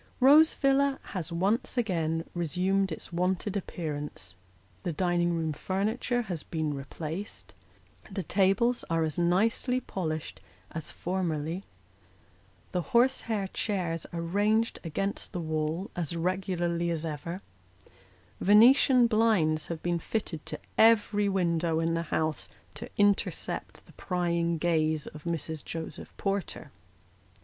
Rose Villa has once again resumed its wonted appearance ; the dining room furniture has been replaced ; the tables are as nicely polished as formerly ; the horsehair chairs are ranged against the wall, as regularly as ever ; Venetian blinds have been fitted to every window in the house to intercept the prying gaze of Mrs. Joseph Porter.